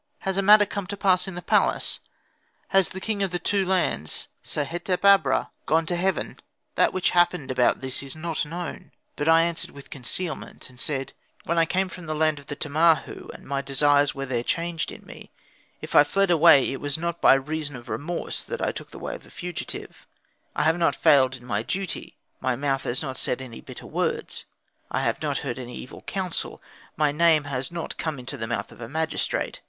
Has a matter come to pass in the palace? Has the king of the two lands, Sehetep abra gone to heaven? That which has happened about this is not known." But I answered with concealment, and said, "When I came from the land of the Tamahu, and my desires were there changed in me, if I fled away it was not by reason of remorse that I took the way of a fugitive; I have not failed in my duty, my mouth has not said any bitter words, I have not heard any evil counsel, my name has not come into the mouth of a magistrate.